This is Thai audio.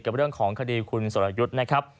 กับเรื่องของคดีคุณสรยุทธ์นะครับ